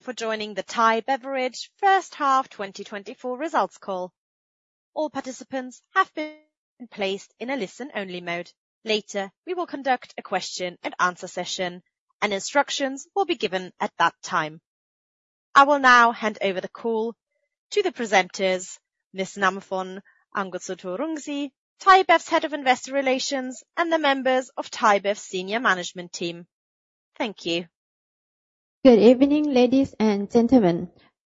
for joining the Thai Beverage First Half 2024 results call. All participants have been placed in a listen-only mode. Later, we will conduct a question-and-answer session, and instructions will be given at that time. I will now hand over the call to the presenters, Ms. Namfon Aungsutornrungsi, ThaiBev's Head of Investor Relations, and the members of ThaiBev's Senior Management Team. Thank you. Good evening, ladies and gentlemen.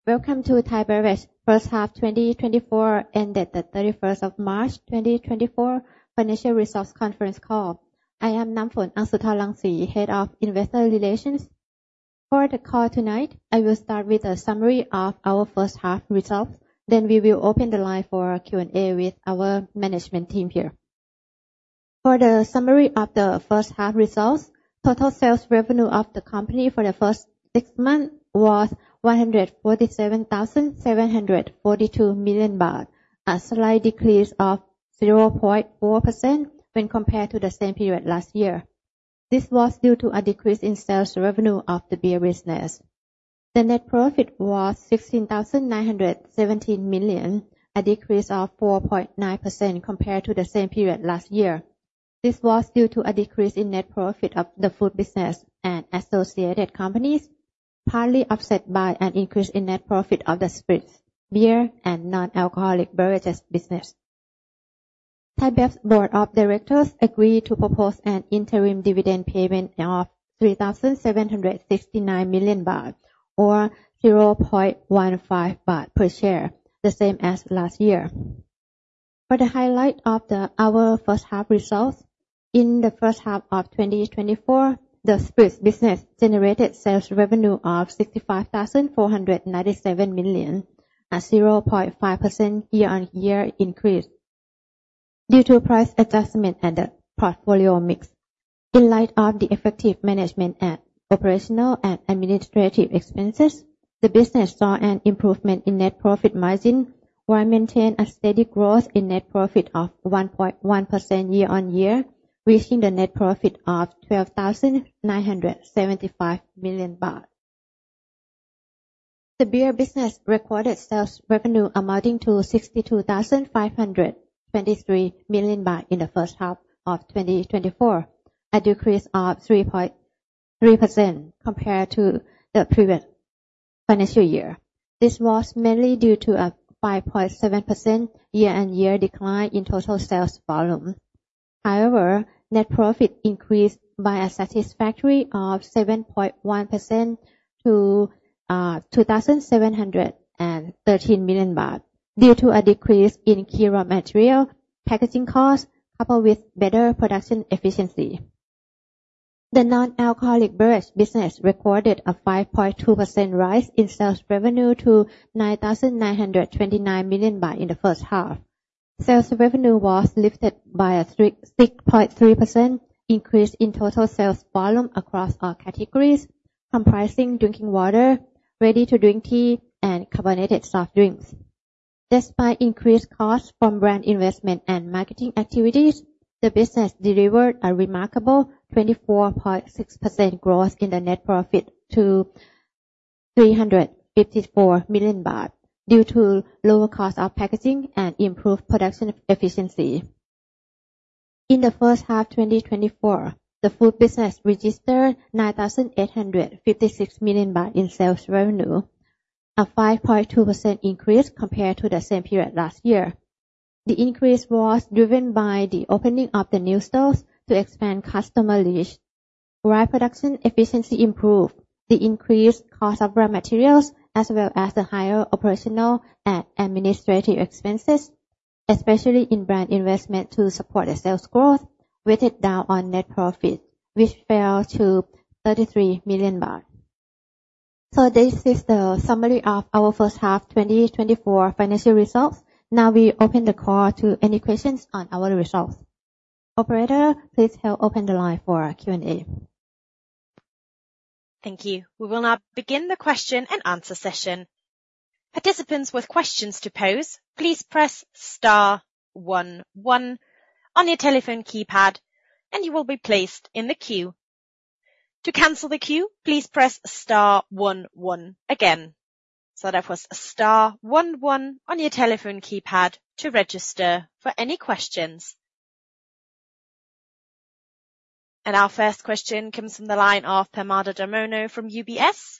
Welcome to Thai Beverage First Half 2024, ended the 31st of March, 2024, Financial Results Conference Call. I am Namfon Aungsutornrungsi, Head of Investor Relations. For the call tonight, I will start with a summary of our first half results, then we will open the line for Q&A with our management team here. For the summary of the first half results, total sales revenue of the company for the first six months was 147,742 million baht, a slight decrease of 0.4% when compared to the same period last year. This was due to a decrease in sales revenue of the beer business. The net profit was 16,917 million, a decrease of 4.9% compared to the same period last year. This was due to a decrease in net profit of the food business and associated companies, partly offset by an increase in net profit of the spirits, beer, and non-alcoholic beverages business. ThaiBev's Board of Directors agreed to propose an interim dividend payment of 3,769 million baht or 0.15 baht per share, the same as last year. For the highlight of our first half results, in the first half of 2024, the spirits business generated sales revenue of 65,497 million, a 0.5% year-on-year increase due to price adjustment and the portfolio mix. In light of the effective management and operational and administrative expenses, the business saw an improvement in net profit margin while maintaining a steady growth in net profit of 1.1% year-on-year, reaching the net profit of 12,975 million baht. The beer business recorded sales revenue amounting to 62,523 million baht in the first half of 2024, a decrease of 3.3% compared to the previous financial year. This was mainly due to a 5.7% year-on-year decline in total sales volume. However, net profit increased by a satisfactory 7.1% to 2,713 million baht due to a decrease in key raw material packaging costs coupled with better production efficiency. The non-alcoholic beverage business recorded a 5.2% rise in sales revenue to 9,929 million baht in the first half. Sales revenue was lifted by a 6.3% increase in total sales volume across all categories, comprising drinking water, ready-to-drink tea, and carbonated soft drinks. Despite increased costs from brand investment and marketing activities, the business delivered a remarkable 24.6% growth in the net profit to 354 million baht due to lower costs of packaging and improved production efficiency. In the first half 2024, the food business registered 9,856 million baht in sales revenue, a 5.2% increase compared to the same period last year. The increase was driven by the opening of the new stores to expand customer reach. Our production efficiency improved. The increased cost of raw materials as well as the higher operational and administrative expenses, especially in brand investment to support the sales growth, weighed down on net profit, which fell to 33 million baht. So this is the summary of our first half 2024 financial results. Now we open the call to any questions on our results. Operator, please help open the line for Q&A. Thank you. We will now begin the question-and-answer session. Participants with questions to pose, please press star 11 on your telephone keypad, and you will be placed in the queue. To cancel the queue, please press star 11 again. So that was star 11 on your telephone keypad to register for any questions. And our first question comes from the line of Pimada Dharmono from UBS.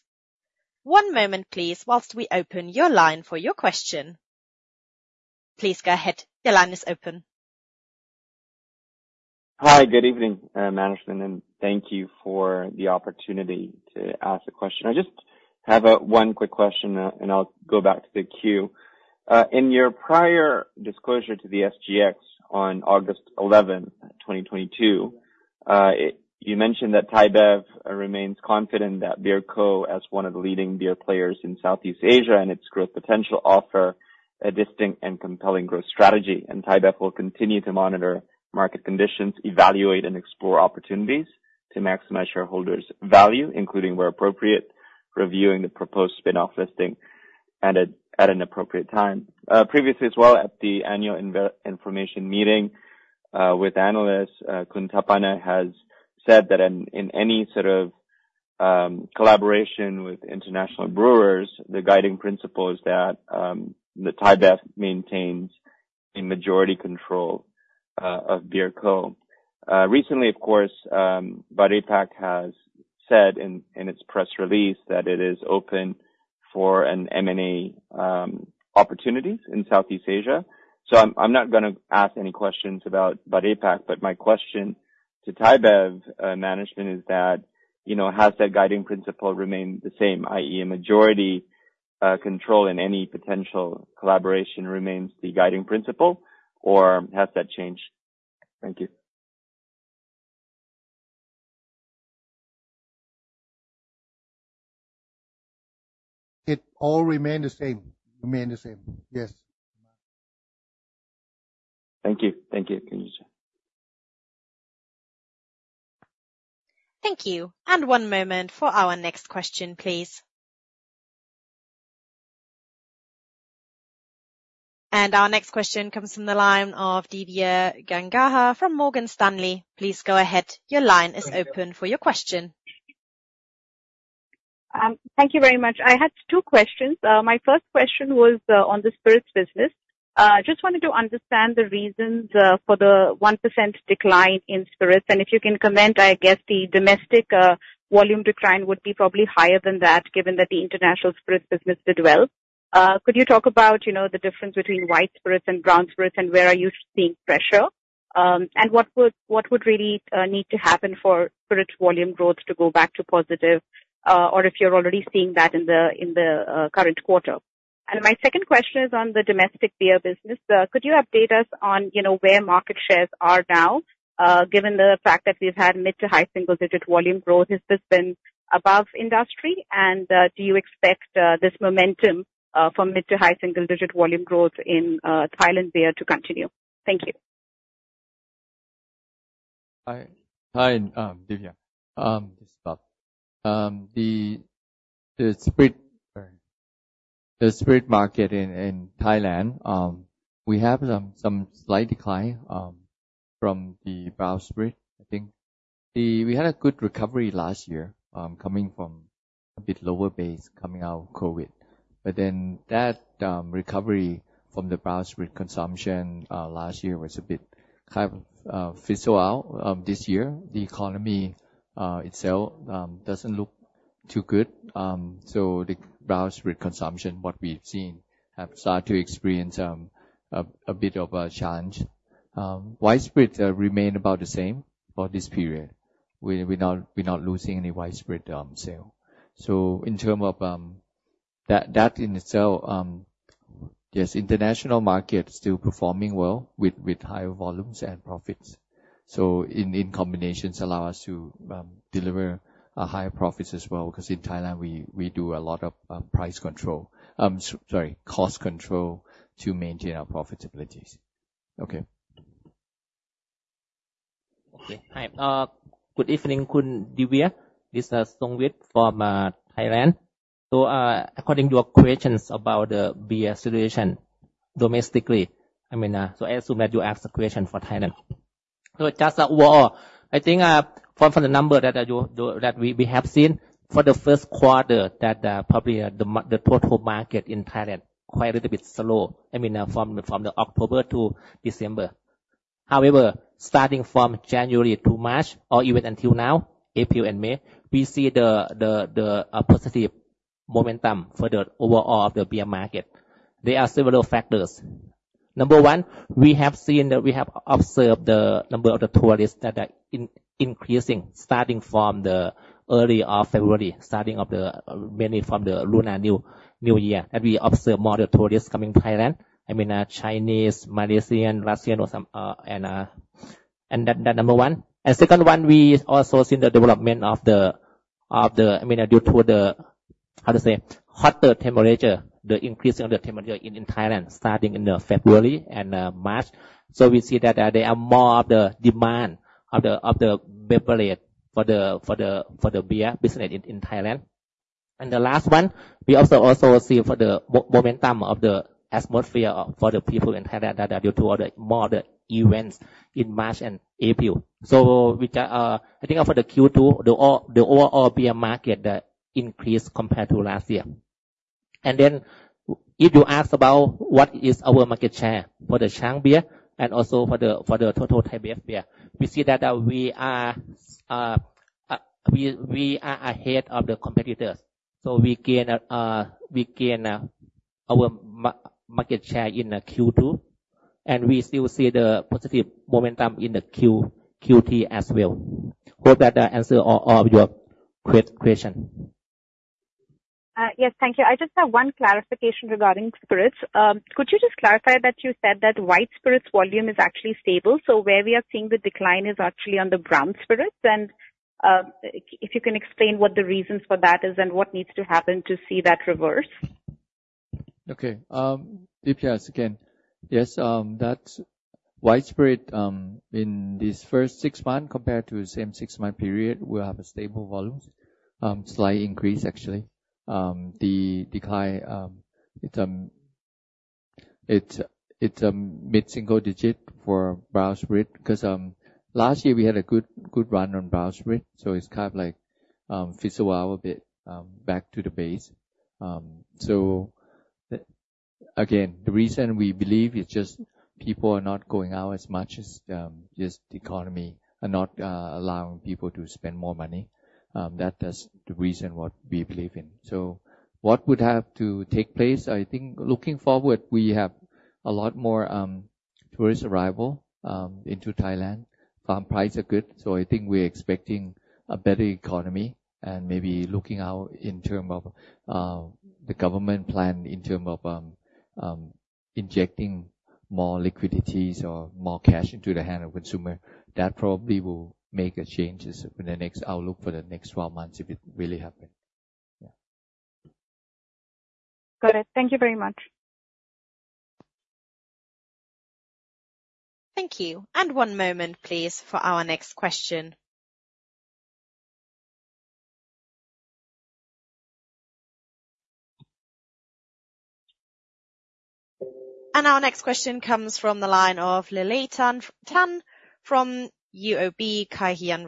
One moment, please, while we open your line for your question. Please go ahead. Your line is open. Hi. Good evening, management, and thank you for the opportunity to ask a question. I just have one quick question, and I'll go back to the queue. In your prior disclosure to the SGX on August 11, 2022, you mentioned that ThaiBev remains confident that BeerCo, as one of the leading beer players in Southeast Asia and its growth potential, offers a distinct and compelling growth strategy. And ThaiBev will continue to monitor market conditions, evaluate, and explore opportunities to maximize shareholders' value, including where appropriate, reviewing the proposed spinoff listing at an appropriate time. Previously as well, at the annual information meeting with analysts, Khun Thapana has said that in any sort of collaboration with international brewers, the guiding principle is that ThaiBev maintains a majority control of BeerCo. Recently, of course, Bud APAC has said in its press release that it is open for an M&A opportunity in Southeast Asia. So I'm not going to ask any questions about Bud APAC, but my question to ThaiBev management is that has that guiding principle remained the same, i.e., majority control in any potential collaboration remains the guiding principle, or has that changed? Thank you. It all remained the same. Remained the same. Yes. Thank you. Thank you. Thank you. And one moment for our next question, please. And our next question comes from the line of Divya Gangahar from Morgan Stanley. Please go ahead. Your line is open for your question. Thank you very much. I had two questions. My first question was on the spirits business. I just wanted to understand the reasons for the 1% decline in spirits. And if you can comment, I guess the domestic volume decline would be probably higher than that given that the international spirits business did well. Could you talk about the difference between white spirits and brown spirits, and where are you seeing pressure? And what would really need to happen for spirits volume growth to go back to positive, or if you're already seeing that in the current quarter? And my second question is on the domestic beer business. Could you update us on where market shares are now given the fact that we've had mid- to high single-digit volume growth? Has this been above industry? Do you expect this momentum for mid to high single-digit volume growth in Thailand beer to continue? Thank you. Hi, Divya. The spirits market in Thailand, we have some slight decline from the brown spirits, I think. We had a good recovery last year coming from a bit lower base coming out of COVID. But then that recovery from the brown spirits consumption last year was a bit fizzled out. This year, the economy itself doesn't look too good. So the brown spirits consumption, what we've seen, has started to experience a bit of a challenge. White spirits remained about the same for this period. We're not losing any white spirits sale. So in terms of that in itself, yes, international market is still performing well with higher volumes and profits. So in combination, it allows us to deliver higher profits as well because in Thailand, we do a lot of price control, sorry, cost control, to maintain our profitabilities. Okay. Okay. Hi. Good evening, Khun Divya. This is Songwit from Thailand. So according to your questions about the beer situation domestically, I mean, so I assume that you asked a question for Thailand. So just overall, I think from the number that we have seen for the first quarter, that probably the total market in Thailand is quite a little bit slow, I mean, from October to December. However, starting from January to March or even until now, April and May, we see the positive momentum for the overall of the beer market. There are several factors. Number one, we have observed the number of the tourists that are increasing starting from the early of February, starting mainly from the Lunar New Year, that we observe more tourists coming to Thailand, I mean, Chinese, Malaysian, Russian, and that number one. And second one, we also see the development of the—I mean, due to the—how to say?—hotter temperature, the increase in the temperature in Thailand starting in February and March. So we see that there is more of the demand of the beverage for the beer business in Thailand. And the last one, we also see for the momentum of the atmosphere for the people in Thailand that are due to more of the events in March and April. So I think for the Q2, the overall beer market increased compared to last year. And then if you ask about what is our market share for the Chang beer and also for the total ThaiBev beer, we see that we are ahead of the competitors. So we gain our market share in Q2, and we still see the positive momentum in the Q3 as well. Hope that answers all of your questions. Yes. Thank you. I just have one clarification regarding spirits. Could you just clarify that you said that white spirits volume is actually stable, so where we are seeing the decline is actually on the brown spirits? And if you can explain what the reasons for that is and what needs to happen to see that reverse. Okay. Divya, yes, again. Yes, that white spirits in these first 6 months compared to the same six-month period will have a stable volume, slight increase, actually. The decline, it's mid-single-digit for brown spirits because last year, we had a good run on brown spirits, so it's kind of fizzled out a bit, back to the base. So again, the reason we believe is just people are not going out as much as just the economy is not allowing people to spend more money. That is the reason what we believe in. So what would have to take place? I think looking forward, we have a lot more tourist arrival into Thailand. Farm prices are good. So I think we're expecting a better economy. Maybe looking out in terms of the government plan in terms of injecting more liquidity or more cash into the hands of consumers, that probably will make a change in the next outlook for the next 12 months if it really happens. Yeah. Got it. Thank you very much. Thank you. And one moment, please, for our next question. And our next question comes from the line of Llelleythan Tan from UOB Kay Hian.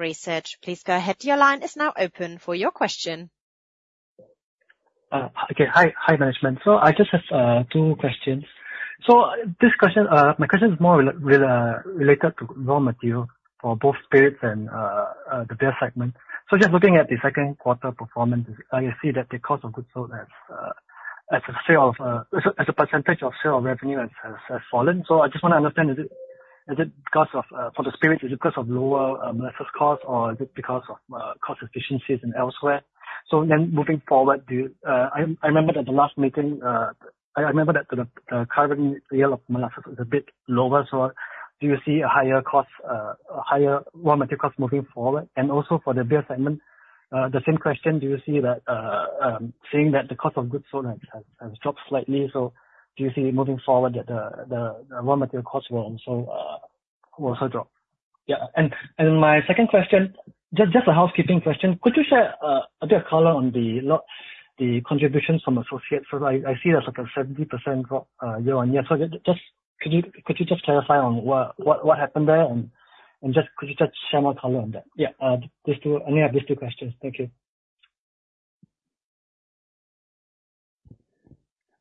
Please go ahead. Your line is now open for your question. Okay. Hi, management. So I just have two questions. So my question is more related to raw material for both spirits and the beer segment. So just looking at the second quarter performance, I see that the cost of goods sold as a percentage of sales revenue has fallen. So I just want to understand, is it because for the spirits, is it because of lower molasses costs, or is it because of cost efficiencies elsewhere? So then moving forward, do you—I remember that the last meeting I remember that the conversion yield of molasses was a bit lower. So do you see a higher cost, a higher raw material cost moving forward? Also for the beer segment, the same question, do you see that seeing that the cost of goods sold has dropped slightly, so do you see moving forward that the raw material cost will also drop? Yeah. My second question, just a housekeeping question, could you share a bit of color on the contributions from associates? So I see there's like a 70% drop year-on-year. So could you just clarify on what happened there? And could you just share more color on that? I only have these two questions. Thank you.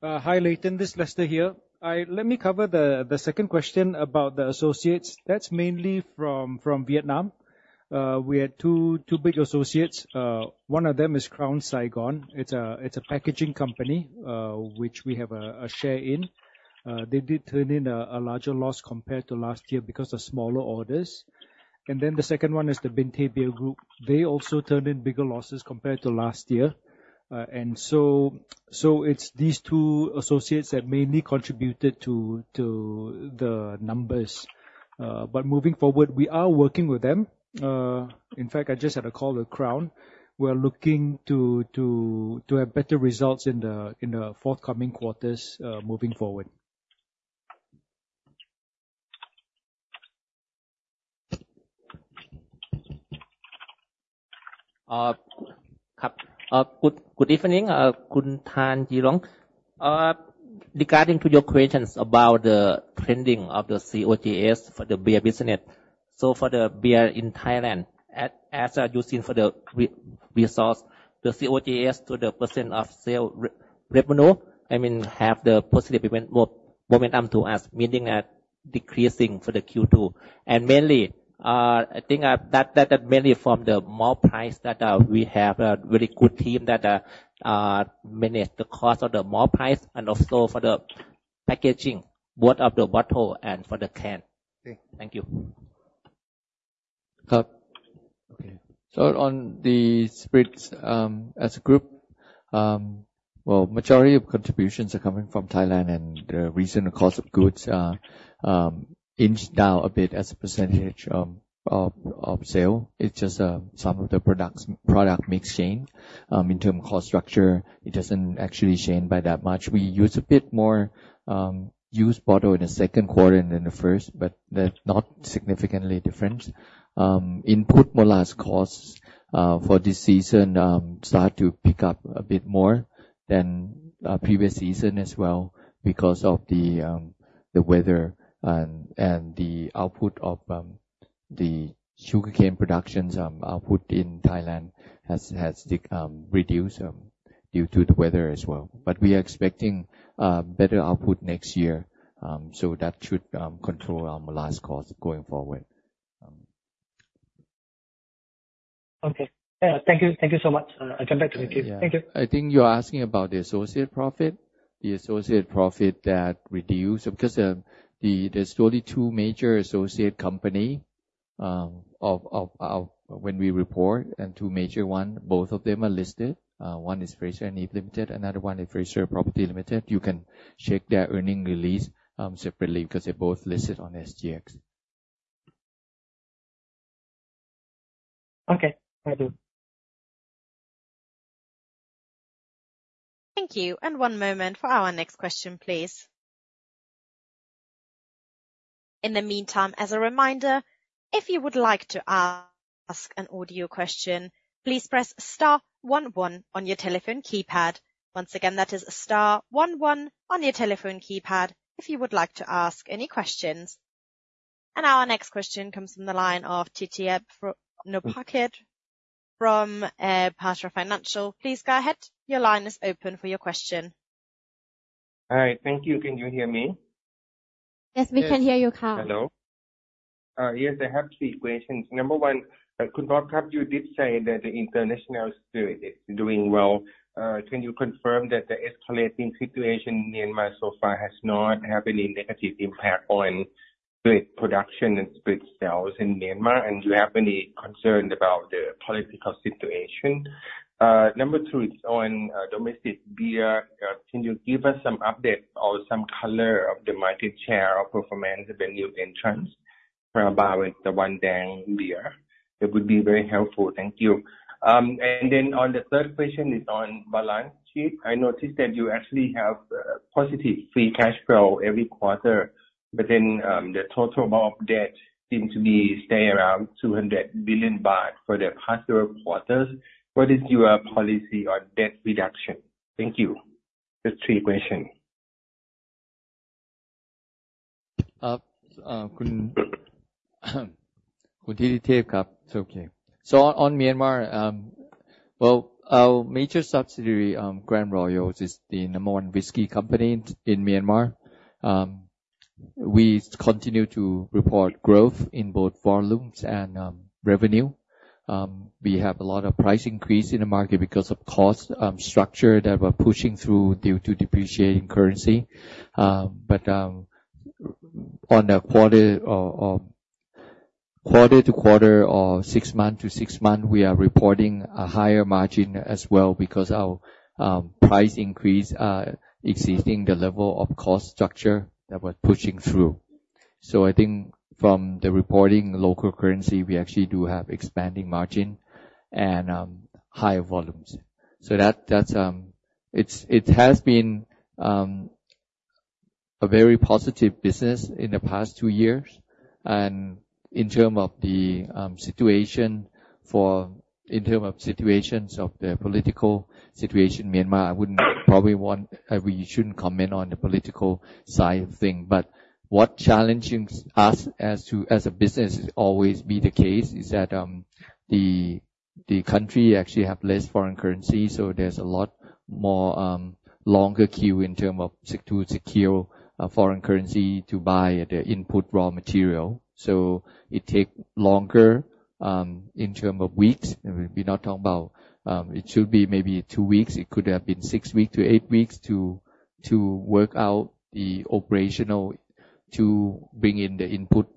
Hi, Leighton. This is Lester here. Let me cover the second question about the associates. That's mainly from Vietnam. We had two big associates. One of them is Crown Saigon. It's a packaging company which we have a share in. They did turn in a larger loss compared to last year because of smaller orders. Then the second one is the Binh Tay Beer Group. They also turned in bigger losses compared to last year. So it's these two associates that mainly contributed to the numbers. Moving forward, we are working with them. In fact, I just had a call with Crown. We're looking to have better results in the forthcoming quarters moving forward. ครับ. Good evening, Khun Tan Jilong. Regarding to your questions about the trending of the COGS for the beer business, so for the beer in Thailand, as you've seen for the results, the COGS to the % of sales revenue, I mean, have the positive momentum to us, meaning decreasing for the Q2. Mainly, I think that mainly from the malt price that we have a very good team that manage the cost of the malt price and also for the packaging, both of the bottle and for the can. Thank you. Okay. So on the spirits as a group, well, majority of contributions are coming from Thailand, and the reason the cost of goods inched down a bit as a percentage of sales, it's just some of the product mix change. In terms of cost structure, it doesn't actually change by that much. We used a bit more used bottles in the second quarter than the first, but there's not a significant difference. Input molasses costs for this season start to pick up a bit more than previous season as well because of the weather and the output of the sugarcane production's output in Thailand has reduced due to the weather as well. But we are expecting better output next year, so that should control our molasses costs going forward. Okay. Thank you so much. I'll jump back to queue. Thank you. Yeah. I think you're asking about the associate profit, the associate profit that reduced because there's only two major associate companies when we report, and two major ones, both of them are listed. One is Fraser and Neave, Limited, another one is Frasers Property Limited. You can check their earnings release separately because they're both listed on SGX. Okay. I do. Thank you. One moment for our next question, please. In the meantime, as a reminder, if you would like to ask an audio question, please press star 11 on your telephone keypad. Once again, that is star 11 on your telephone keypad if you would like to ask any questions. Our next question comes from the line of Titi Nopakhun from Kiatnakin Phatra Securities. Please go ahead. Your line is open for your question. All right. Thank you. Can you hear me? Yes, we can hear you, Khun. Hello? Yes, I have two questions. Number 1, Khun Pop, you did say that the international spirits is doing well. Can you confirm that the escalating situation in Myanmar so far has not had any negative impact on spirits production and spirits sales in Myanmar, and do you have any concern about the political situation? Number 2, it's on domestic beer. Can you give us some update or some color of the market share or performance of the new entrants from about the Tawandang beer? It would be very helpful. Thank you. And then on the third question, it's on balance sheet. I noticed that you actually have positive free cash flow every quarter, but then the total amount of debt seemed to stay around 200 billion baht for the past several quarters. What is your policy on debt reduction? Thank you. Just three questions. Khun Titi, yes. It's okay. So on Myanmar, well, our major subsidiary Grand Royals is the number one whisky company in Myanmar. We continue to report growth in both volumes and revenue. We have a lot of price increase in the market because of cost structure that we're pushing through due to depreciating currency. But on a quarter-to-quarter or six-month-to-six-month, we are reporting a higher margin as well because our price increase is exceeding the level of cost structure that we're pushing through. So I think from the reporting local currency, we actually do have expanding margin and higher volumes. So it has been a very positive business in the past two years. And in terms of the situation for in terms of situations of the political situation in Myanmar, I wouldn't probably want we shouldn't comment on the political side of things. But what challenges us as a business is, as always is the case, that the country actually has less foreign currency, so there's a lot more longer queue in terms of to secure foreign currency to buy the input raw material. So it takes longer in terms of weeks. We're not talking about it should be maybe 2 weeks. It could have been 6-8 weeks to work out the operational to bring in the input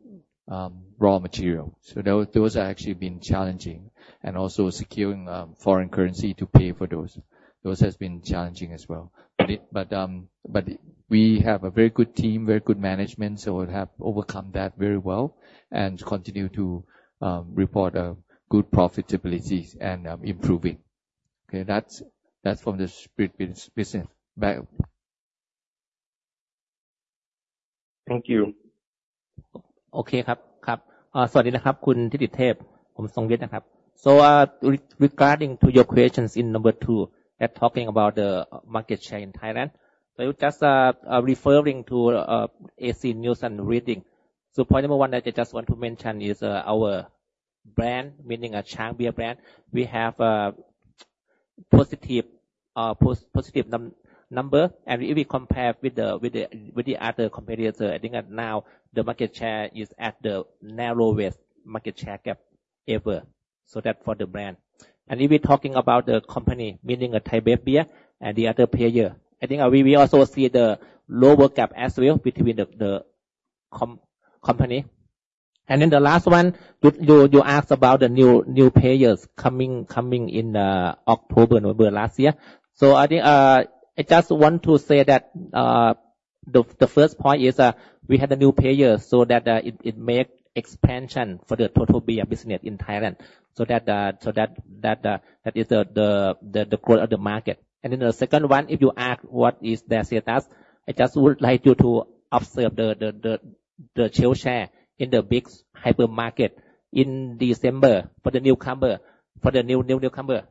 raw material. So those have actually been challenging. And also securing foreign currency to pay for those, those have been challenging as well. But we have a very good team, very good management, so we have overcome that very well and continue to report good profitability and improving. Okay. That's from the spirits business. Back. Thank you. Sawasdee na krub, Khun Titi. Phom Songwit na krub. So regarding to your questions in number two, that's talking about the market share in Thailand. So I was just referring to A.C. Nielsen and IRI. So point number one that I just want to mention is our brand, meaning a Chang beer brand. We have a positive number. And if we compare with the other competitors, I think that now the market share is at the narrowest market share gap ever. So that's for the brand. And if we're talking about the company, meaning a ThaiBev and the other players, I think we also see the lower gap as well between the companies. And then the last one, you asked about the new players coming in October last year. I think I just want to say that the first point is we had a new player so that it makes expansion for the total beer business in Thailand. That is the growth of the market. And then the second one, if you ask what is their status, I just would like you to observe the sales share in the big hypermarket in December for the newcomer, for the newcomer.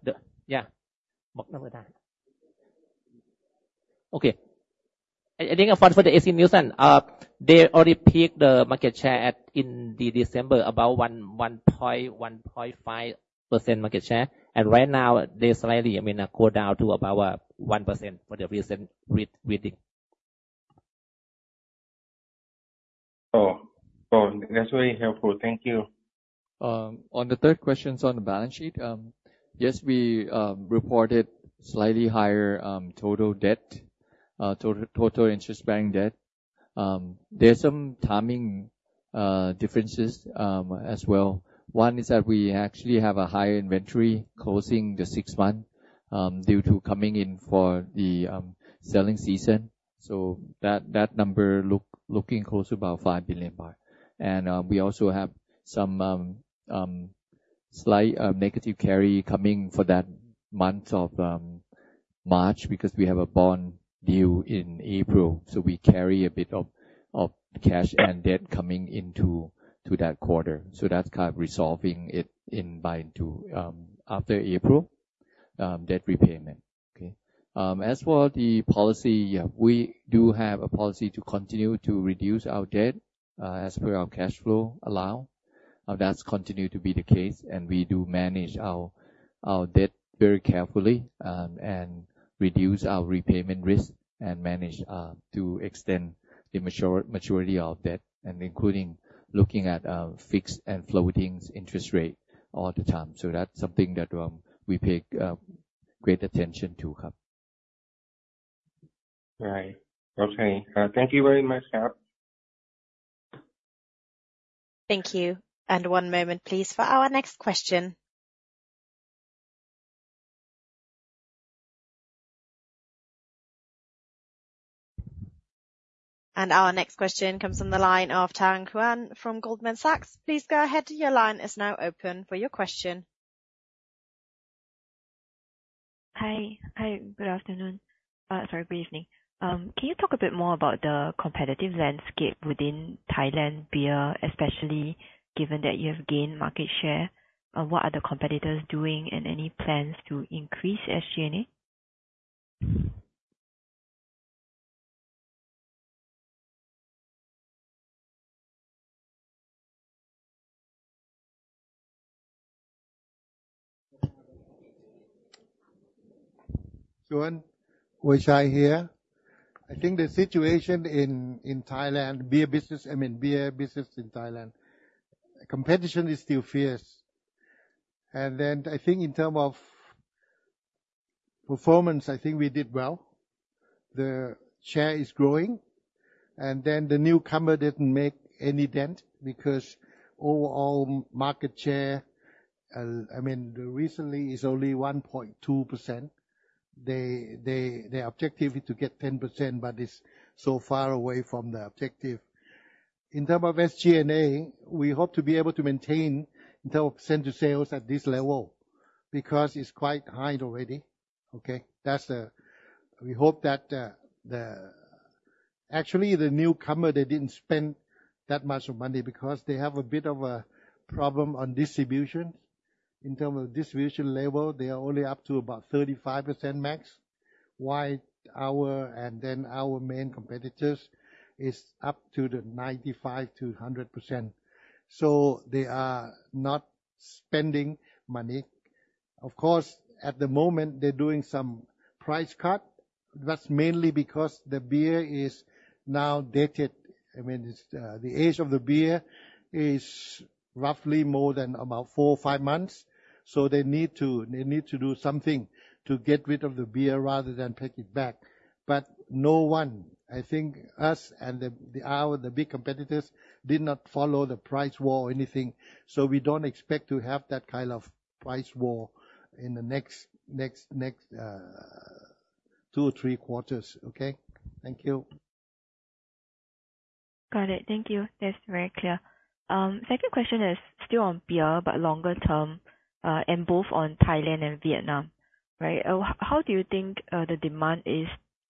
Yeah. Okay. I think for the A.C. Nielsen, they already peaked the market share in December about 1.5% market share. And right now, they slightly, I mean, go down to about 1% for the recent reading. Oh. Oh. That's very helpful. Thank you. On the third question is on the balance sheet. Yes, we reported slightly higher total debt, total interest-bearing debt. There's some timing differences as well. One is that we actually have a higher inventory closing the sixth month due to coming in for the selling season. So that number looking close to about 5 billion baht. And we also have some slight negative carry coming for that month of March because we have a bond due in April. So we carry a bit of cash and debt coming into that quarter. So that's kind of resolving it after April, debt repayment. Okay. As for the policy, yeah, we do have a policy to continue to reduce our debt as per our cash flow allow. That's continued to be the case. We do manage our debt very carefully and reduce our repayment risk and manage to extend the maturity of debt, including looking at fixed and floating interest rate all the time. So that's something that we pay great attention to, right? Right. Okay. Thank you very much, Khun. Thank you. One moment, please, for our next question. Our next question comes from the line of Tan Xuan from Goldman Sachs. Please go ahead. Your line is now open for your question. Hi. Good afternoon. Sorry. Good evening. Can you talk a bit more about the competitive landscape within Thailand beer, especially given that you have gained market share? What are the competitors doing, and any plans to increase SG&A? Kuan, was I here? I think the situation in Thailand, beer business I mean, beer business in Thailand, competition is still fierce. I think in terms of performance, I think we did well. The share is growing. The newcomer didn't make any dent because overall market share, I mean, recently, is only 1.2%. Their objective is to get 10%, but it's so far away from the objective. In terms of SG&A, we hope to be able to maintain in terms of percentage sales at this level because it's quite high already. Okay. We hope that actually, the newcomer, they didn't spend that much of money because they have a bit of a problem on distribution. In terms of distribution level, they are only up to about 35% max. While our main competitors is up to the 95%-100%. So they are not spending money. Of course, at the moment, they're doing some price cut. That's mainly because the beer is now dated. I mean, the age of the beer is roughly more than about 4-5 months. So they need to do something to get rid of the beer rather than take it back. But no one, I think us and our big competitors, did not follow the price war or anything. So we don't expect to have that kind of price war in the next 2 or 3 quarters. Okay. Thank you. Got it. Thank you. That's very clear. Second question is still on beer but longer term and both on Thailand and Vietnam, right? How do you think the demand is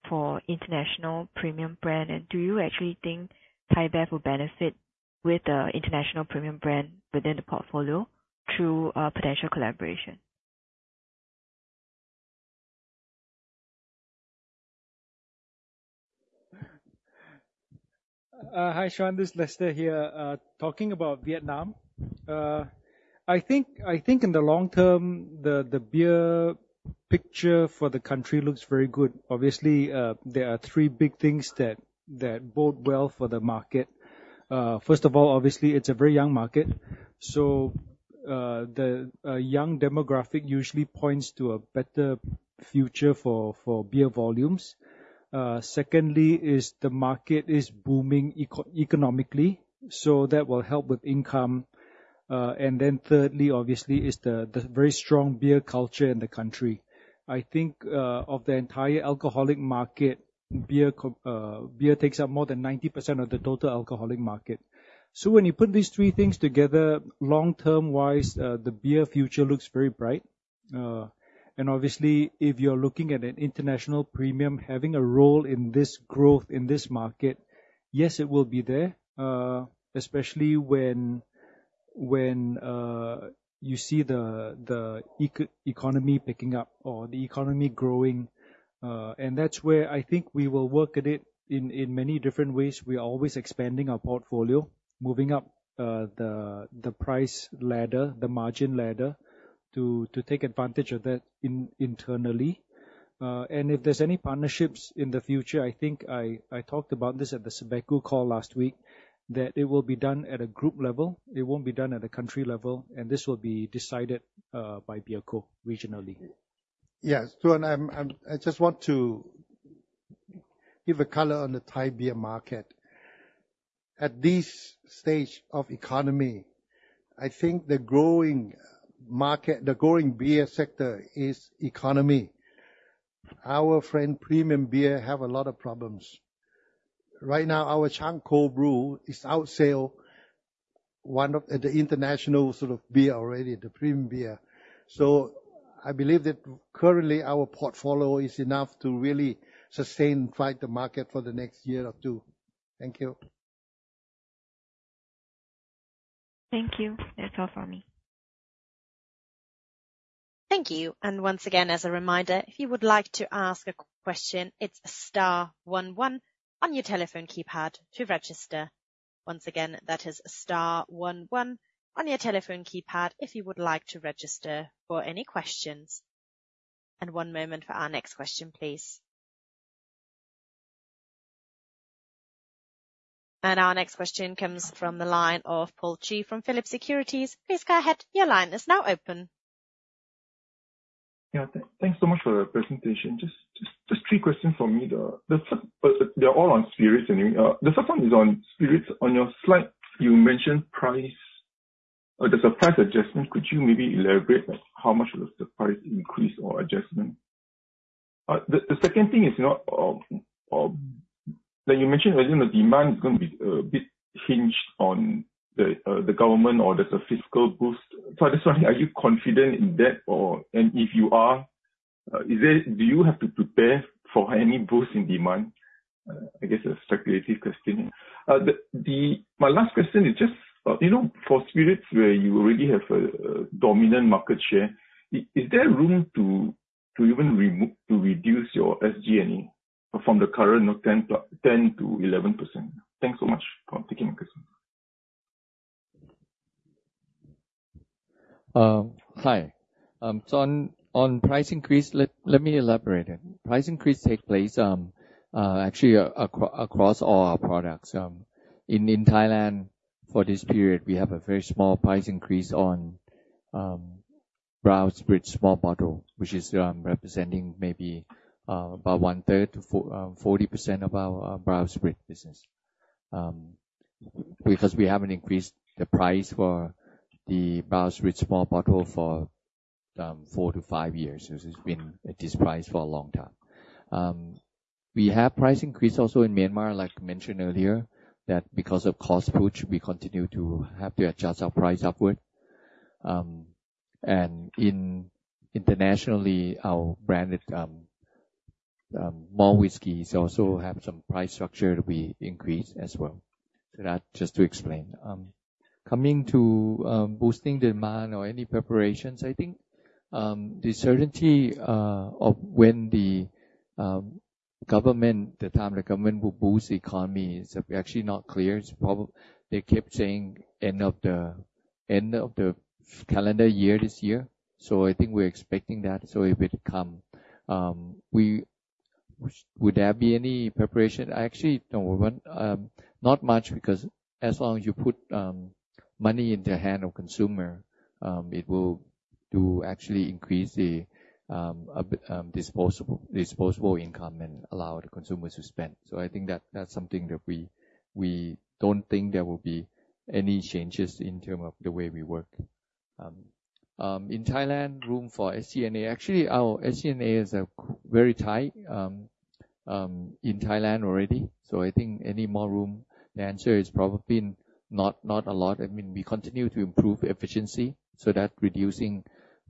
for international premium brand? And do you actually think ThaiBev will benefit with the international premium brand within the portfolio through potential collaboration? Hi, Xuan. This is Lester here talking about Vietnam. I think in the long term, the beer picture for the country looks very good. Obviously, there are three big things that bode well for the market. First of all, obviously, it's a very young market. So the young demographic usually points to a better future for beer volumes. Secondly, the market is booming economically. So that will help with income. And then thirdly, obviously, is the very strong beer culture in the country. I think of the entire alcoholic market, beer takes up more than 90% of the total alcoholic market. So when you put these three things together, long-term-wise, the beer future looks very bright. And obviously, if you're looking at an international premium having a role in this growth in this market, yes, it will be there, especially when you see the economy picking up or the economy growing. And that's where I think we will work at it in many different ways. We are always expanding our portfolio, moving up the price ladder, the margin ladder, to take advantage of that internally. And if there's any partnerships in the future, I think I talked about this at the SABECO call last week, that it will be done at a group level. It won't be done at a country level. And this will be decided by BeerCo regionally. Yes. Tan, I just want to give a color on the Thai beer market. At this stage of economy, I think the growing beer sector is economy. Our friend premium beer has a lot of problems. Right now, our Chang Cold Brew is outselling the international sort of beer already, the premium beer. So I believe that currently, our portfolio is enough to really sustain and fight the market for the next year or two. Thank you. Thank you. That's all from me. Thank you. And once again, as a reminder, if you would like to ask a question, it's star 11 on your telephone keypad to register. Once again, that is star 11 on your telephone keypad if you would like to register for any questions. And one moment for our next question, please. And our next question comes from the line of Paul Chew from Phillip Securities. Please go ahead. Your line is now open. Thanks so much for the presentation. Just three questions for me. They're all on spirits anyway. The first one is on spirits. On your slide, you mentioned the surprise adjustment. Could you maybe elaborate how much will the surprise increase or adjustment? The second thing is that you mentioned earlier the demand is going to be a bit hinged on the government or there's a fiscal boost. So I just wondering, are you confident in that? And if you are, do you have to prepare for any boost in demand? I guess a speculative question. My last question is just for spirits where you already have a dominant market share, is there room to even reduce your SG&A from the current 10%-11%? Thanks so much for taking my question. Hi. On price increase, let me elaborate it. Price increase takes place actually across all our products. In Thailand, for this period, we have a very small price increase on brown spirits small bottle, which is representing maybe about one-third to 40% of our brown spirits business because we haven't increased the price for the brown spirits small bottle for 4-5 years. So it's been at this price for a long time. We have price increase also in Myanmar, like mentioned earlier, that because of cost push, we continue to have to adjust our price upward. And internationally, our branded malt whiskey also has some price structure to be increased as well. So that's just to explain. Coming to boosting demand or any preparations, I think the certainty of when the government, the time the government will boost the economy, is actually not clear. They kept saying end of the calendar year this year. So I think we're expecting that. So if it comes, would there be any preparation? Actually, no, not much because as long as you put money in the hand of consumer, it will actually increase the disposable income and allow the consumer to spend. So I think that's something that we don't think there will be any changes in terms of the way we work. In Thailand, room for SG&A? Actually, our SG&A is very tight in Thailand already. So I think any more room? The answer is probably not a lot. I mean, we continue to improve efficiency. So that's reducing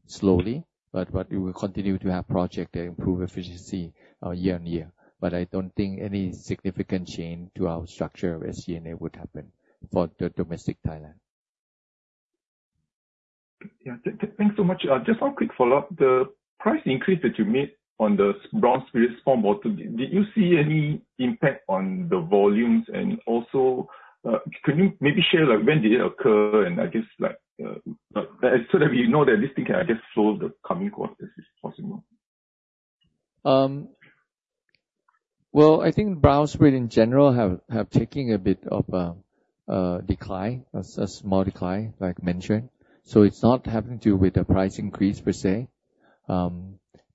slowly. But we will continue to have projects that improve efficiency year on year. But I don't think any significant change to our structure of SG&A would happen for the domestic Thailand. Yeah. Thanks so much. Just one quick follow-up. The price increase that you made on the brown spirits small bottle, did you see any impact on the volumes? And also, can you maybe share when did it occur? And I guess so that we know that this thing can, I guess, flow the coming quarters if possible. Well, I think brown spirits, in general, have taken a bit of a decline, a small decline, like mentioned. So it's not having to do with the price increase per se.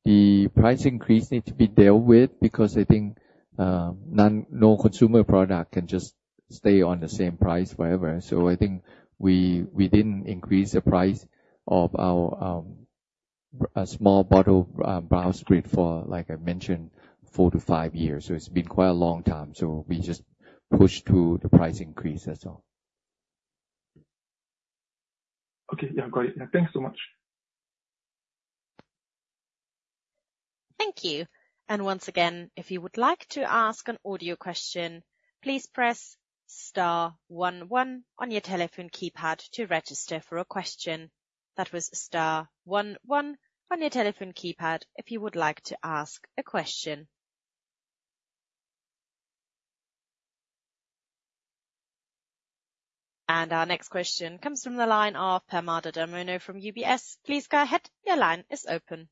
The price increase needs to be dealt with because I think no consumer product can just stay on the same price forever. So I think we didn't increase the price of our small bottle brown spirits for, like I mentioned, 4-5 years. So it's been quite a long time. So we just pushed through the price increase as well. Okay. Yeah. Got it. Yeah. Thanks so much. Thank you. And once again, if you would like to ask an audio question, please press star one one on your telephone keypad to register for a question. That was STAR11 on your telephone keypad if you would like to ask a question. And our next question comes from the line of Permada Dharmono from UBS. Please go ahead. Your line is open.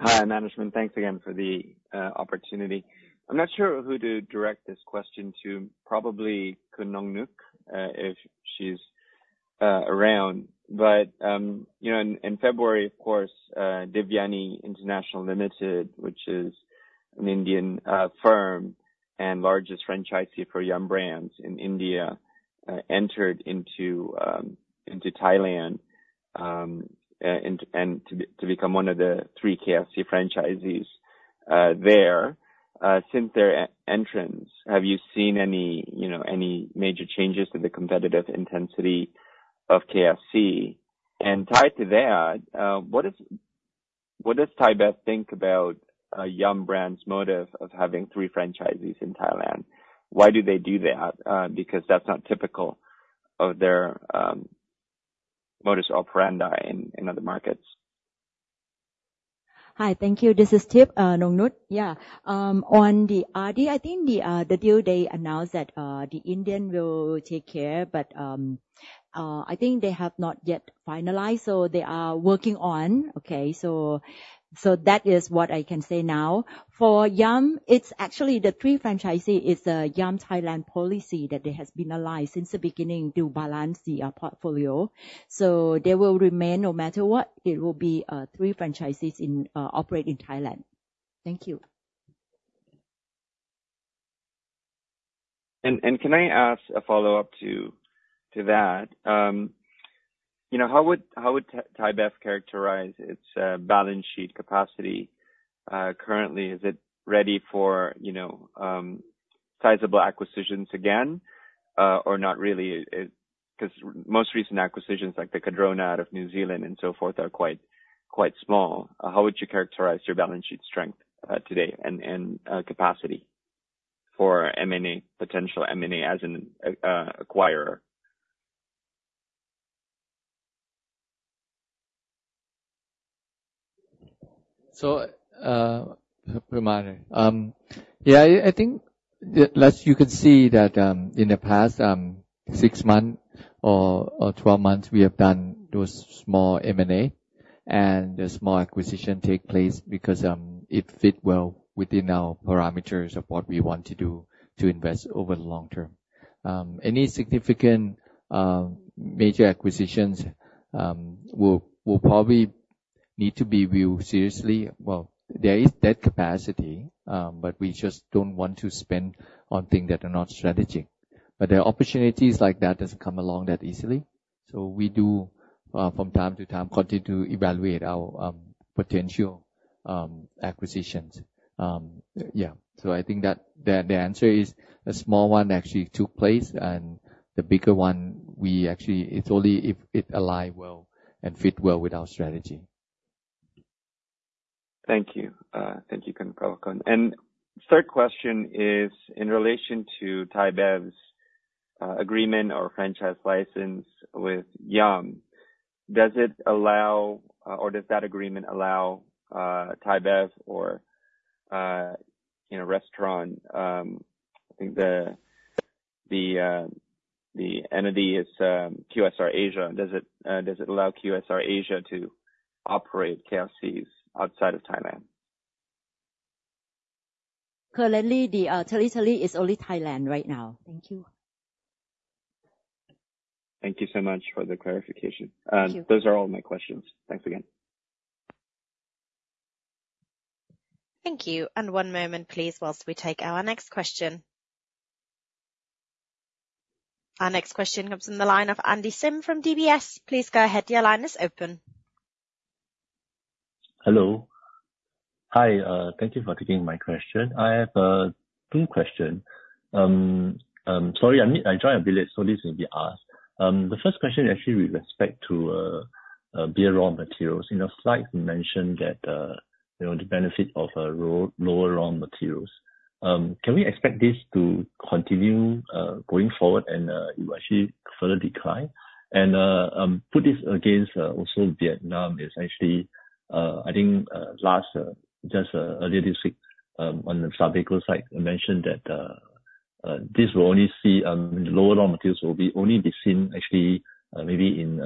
Hi, management. Thanks again for the opportunity. I'm not sure who to direct this question to. Probably Khun Nongnuch if she's around. But in February, of course, Devyani International Limited, which is an Indian firm and largest franchisee for Yum! Brands in India, entered into Thailand to become one of the three KFC franchisees there. Since their entrance, have you seen any major changes to the competitive intensity of KFC? And tied to that, what does ThaiBev think about Yum! Brands' motive of having three franchisees in Thailand? Why do they do that? Because that's not typical of their modus operandi in other markets. Hi. Thank you. This is Nongnuch. Yeah. On the RD, I think the deal they announced that the Indian will take care. But I think they have not yet finalized. So they are working on. Okay. So that is what I can say now. For Yum, it's actually the three franchisees is a Yum Thailand policy that has been aligned since the beginning to balance the portfolio. So they will remain no matter what. It will be three franchisees operating in Thailand. Thank you. Can I ask a follow-up to that? How would ThaiBevcharacterize its balance sheet capacity currently? Is it ready for sizable acquisitions again or not really? Because most recent acquisitions like the Cardrona out of New Zealand and so forth are quite small. How would you characterize your balance sheet strength today and capacity for potential M&A as an acquirer? So Permada, yeah, I think you could see that in the past 6 months or 12 months, we have done those small M&A. And the small acquisition takes place because it fit well within our parameters of what we want to do to invest over the long term. Any significant major acquisitions will probably need to be viewed seriously. Well, there is that capacity. But we just don't want to spend on things that are not strategic. But there are opportunities like that that come along that easily. So we do, from time to time, continue to evaluate our potential acquisitions. Yeah. So I think that the answer is a small one actually took place. And the bigger one, it's only if it aligns well and fits well with our strategy. Thank you. Thank you, Khun Thapana Sirivadhanabhakdi. Third question is in relation to ThaiBev's agreement or franchise license with Yum, does it allow or does that agreement allow ThaiBev or restaurant? I think the entity is QSR of Asia. Does it allow QSR of Asia to operate KFCs outside of Thailand? Currently, territory is only Thailand right now. Thank you. Thank you so much for the clarification. Those are all my questions. Thanks again. Thank you. One moment, please, while we take our next question. Our next question comes from the line of Andy Sim from DBS. Please go ahead. Your line is open. Hello. Hi. Thank you for taking my question. I have two questions. Sorry. I joined a bit. So this may be asked. The first question is actually with respect to beer raw materials. In your slides, you mentioned the benefit of lower raw materials. Can we expect this to continue going forward and actually further decline? And put this against also Vietnam is actually, I think, just earlier this week on the SABECO side, I mentioned that this will only see the lower raw materials will only be seen actually maybe in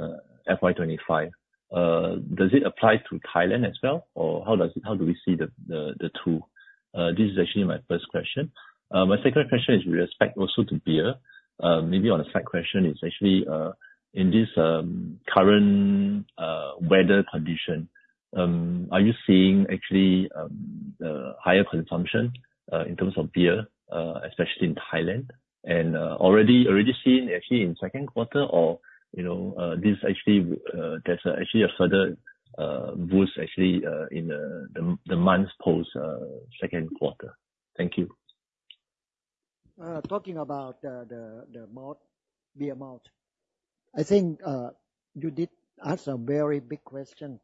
FY25. Does it apply to Thailand as well? Or how do we see the two? This is actually my first question. My second question is with respect also to beer. Maybe on a side question, it's actually in this current weather condition, are you seeing actually higher consumption in terms of beer, especially in Thailand? Already seen actually in second quarter or this actually there's actually a further boost actually in the month post second quarter. Thank you. Talking about the beer malt, I think you did ask a very big question.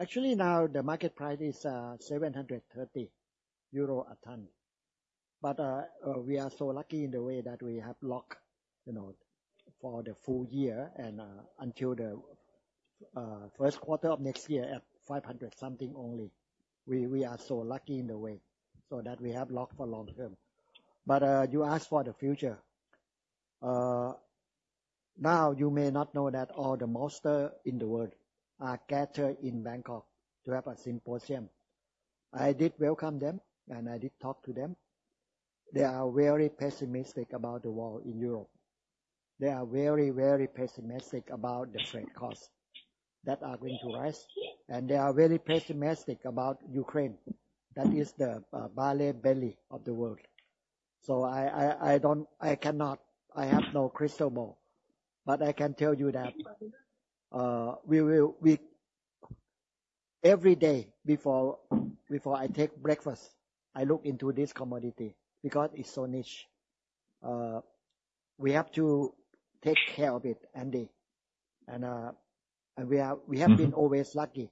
Actually, now the market price is 730 euro a ton. But we are so lucky in the way that we have locked for the full year and until the first quarter of next year at 500 something only. We are so lucky in the way so that we have locked for long term. But you asked for the future. Now, you may not know that all the maltsters in the world are gathered in Bangkok to have a symposium. I did welcome them. And I did talk to them. They are very pessimistic about the war in Europe. They are very, very pessimistic about the freight costs that are going to rise. And they are very pessimistic about Ukraine. That is the breadbasket of the world. So I cannot. I have no crystal ball. But I can tell you that every day before I take breakfast, I look into this commodity because it's so niche. We have to take care of it, Andy. And we have been always lucky.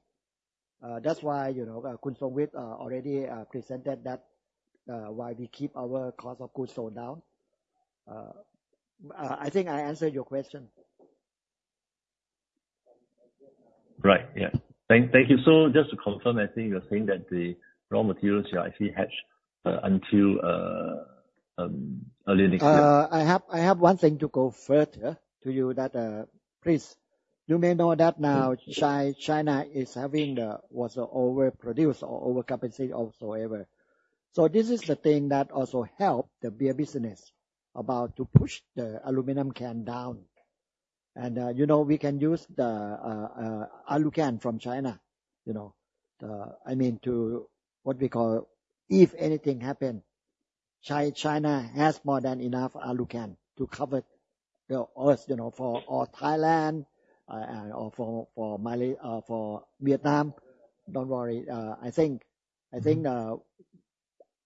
That's why Khun Songwit already presented that why we keep our cost of goods so down. I think I answered your question. Right. Yeah. Thank you. So just to confirm, I think you're saying that the raw materials are actually hedged until early next year? I have one thing to go further to you that please, you may know that now China is having the overproduction or overcapacity as well. So this is the thing that also helps the beer business as to push the aluminum can down. We can use the aluminum can from China, I mean, to what we call if anything happens, China has more than enough aluminum can to cover the earth for Thailand or for Vietnam. Don't worry. I think the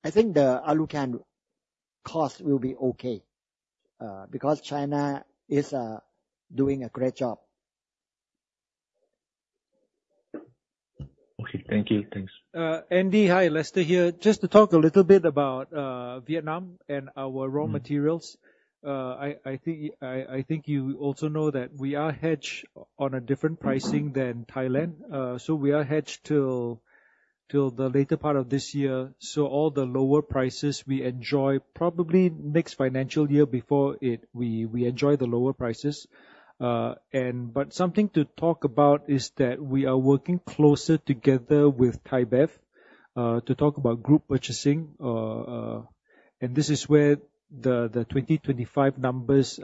aluminum can cost will be okay because China is doing a great job. Okay. Thank you. Thanks. Andy. Hi. Lester here. Just to talk a little bit about Vietnam and our raw materials, I think you also know that we are hedged on a different pricing than Thailand. So we are hedged till the latter part of this year. So all the lower prices, we enjoy probably next financial year before it, we enjoy the lower prices. But something to talk about is that we are working closer together with ThaiBev to talk about group purchasing. And this is where the 2025 numbers,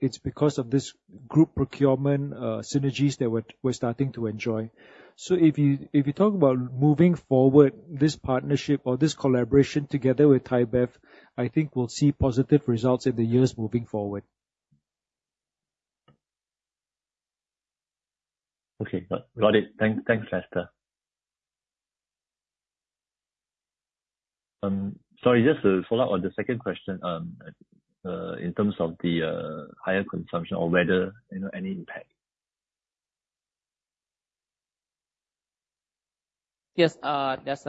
it's because of this group procurement synergies that we're starting to enjoy. So if you talk about moving forward, this partnership or this collaboration together with ThaiBev, I think we'll see positive results in the years moving forward. Okay. Got it. Thanks, Lester. Sorry. Just a follow-up on the second question in terms of the higher consumption or weather, any impact? Yes. That's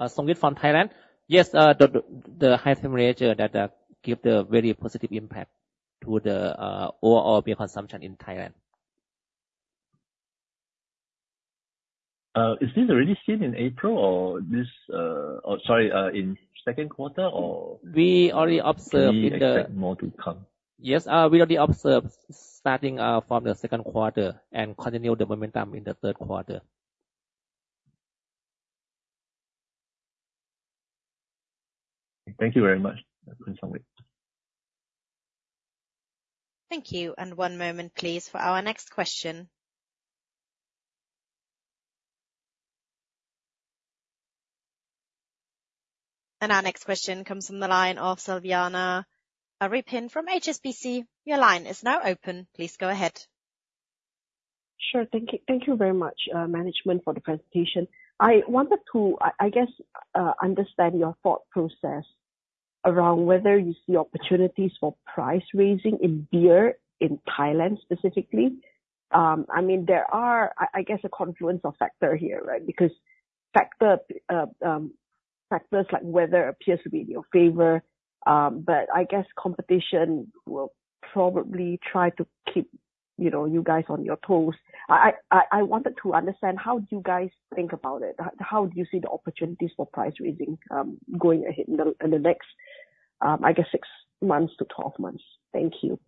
Songwit from Thailand. Yes. The high-term manager that gives a very positive impact to the overall beer consumption in Thailand. Is this already seen in April or this, sorry, in second quarter or? We already observe in the. We expect more to come. Yes. We already observe starting from the second quarter and continue the momentum in the third quarter. Thank you very much, Khun Songwit. Thank you. And one moment, please, for our next question. And our next question comes from the line of Selviana Aripin from HSBC. Your line is now open. Please go ahead. Sure. Thank you very much, management, for the presentation. I wanted to, I guess, understand your thought process around whether you see opportunities for price raising in beer in Thailand specifically. I mean, there are, I guess, a confluence of factors here, right? Because factors like weather appears to be in your favor. But I guess competition will probably try to keep you guys on your toes. I wanted to understand how do you guys think about it? How do you see the opportunities for price raising going ahead in the next, I guess, six months to 12 months? Thank you.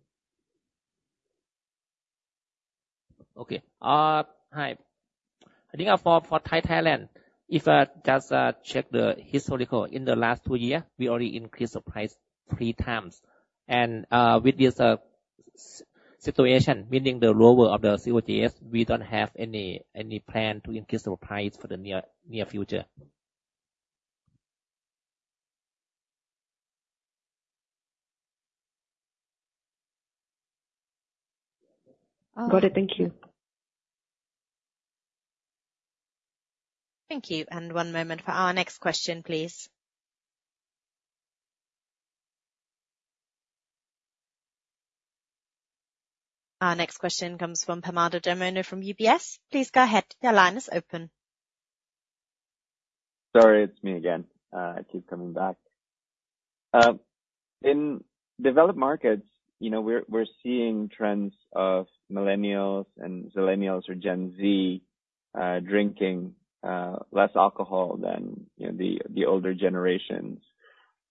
Okay. Hi. I think for Thailand, if I just check the historical, in the last two years, we already increased the price three times. And with this situation, meaning the lower of the COGS, we don't have any plan to increase the price for the near future. Got it. Thank you. Thank you. One moment for our next question, please. Our next question comes from Pimada Dharmono from UBS. Please go ahead. Your line is open. Sorry. It's me again. I keep coming back. In developed markets, we're seeing trends of millennials and millennials or Gen Z drinking less alcohol than the older generations.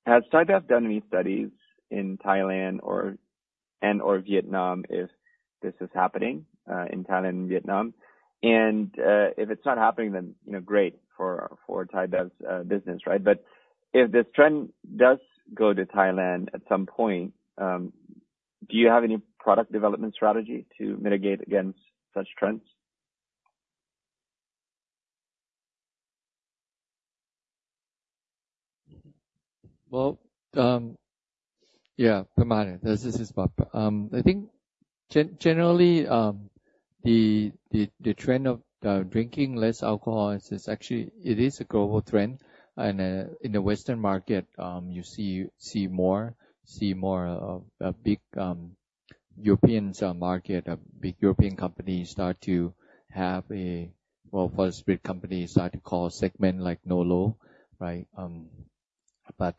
Has ThaiBe done any studies in Thailand and/or Vietnam if this is happening in Thailand and Vietnam? And if it's not happening, then great for ThaiBev's business, right? But if this trend does go to Thailand at some point, do you have any product development strategy to mitigate against such trends? Well, yeah, Pimada, this is Prapakon. I think generally, the trend of drinking less alcohol is actually it is a global trend. In the Western market, you see more of a big European market, big European companies start to have a well, for the spirit companies, start to call segment like no and low, right? But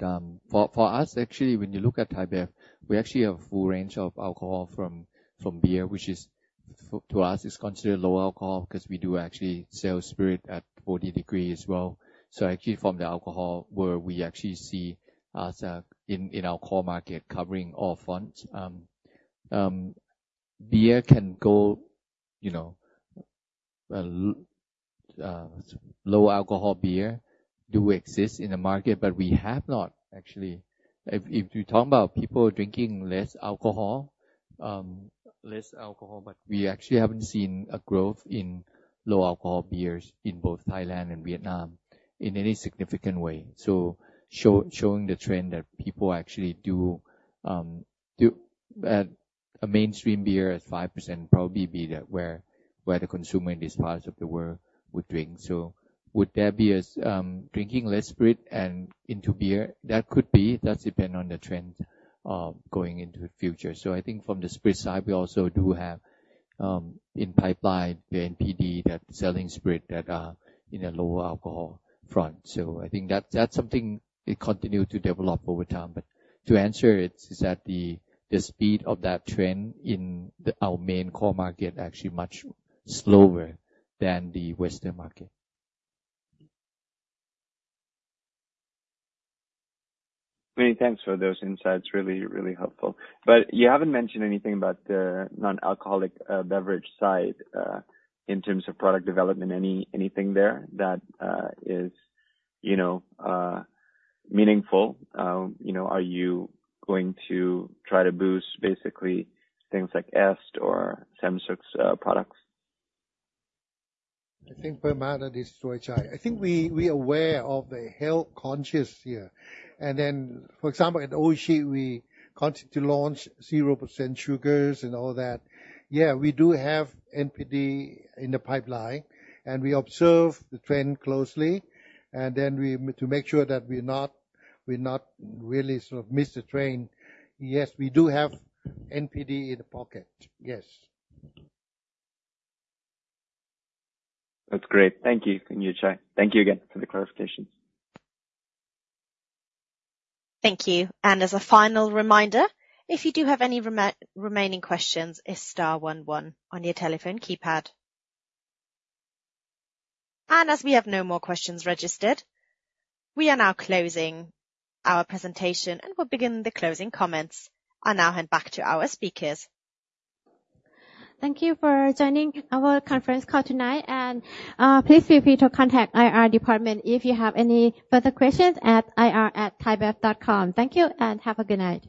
for us, actually, when you look at ThaiBev, we actually have a full range of alcohol from beer, which to us is considered low alcohol because we do actually sell spirit at 40 degrees as well. So actually, from the alcohol world, we actually see us in our core market covering all fronts. Beer can go low alcohol beer do exist in the market. We have not actually, if you talk about people drinking less alcohol, less alcohol, but we actually haven't seen a growth in low alcohol beers in both Thailand and Vietnam in any significant way. So showing the trend that people actually do a mainstream beer at 5% probably be where the consumer in this part of the world would drink. So would there be a drinking less spirit and into beer? That could be. That depends on the trend going into the future. So I think from the spirit side, we also do have in pipeline the NPD that's selling spirit that are in a lower alcohol front. So I think that's something it continues to develop over time. But to answer it, it's that the speed of that trend in our main core market actually much slower than the Western market. Many thanks for those insights. Really, really helpful. But you haven't mentioned anything about the non-alcoholic beverage side in terms of product development. Anything there that is meaningful? Are you going to try to boost basically things like est or Sermsuk's products? I think Pimada, this is Sithichai. I think we are aware of the health-conscious here. And then, for example, at Oishi, we continue to launch 0% sugars and all that. Yeah. We do have NPD in the pipeline. And we observe the trend closely. And then to make sure that we're not really sort of miss the train, yes, we do have NPD in the pocket. Yes. That's great. Thank you, Khun Chai. Thank you again for the clarifications. Thank you. And as a final reminder, if you do have any remaining questions, it's star 11 on your telephone keypad. And as we have no more questions registered, we are now closing our presentation. And we'll begin the closing comments. I now hand back to our speakers. Thank you for joining our conference call tonight. Please feel free to contact IR department if you have any further questions at ir@thaibev.com. Thank you. Have a good night.